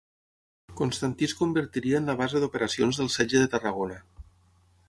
Constantí es convertiria en la base d'operacions del setge de Tarragona.